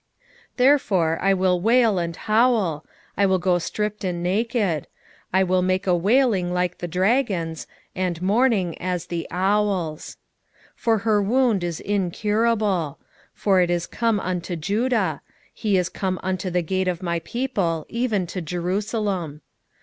1:8 Therefore I will wail and howl, I will go stripped and naked: I will make a wailing like the dragons, and mourning as the owls. 1:9 For her wound is incurable; for it is come unto Judah; he is come unto the gate of my people, even to Jerusalem.